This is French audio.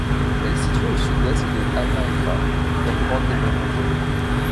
Elle est située au sud-est de Halmahera, la plus grande des Moluques.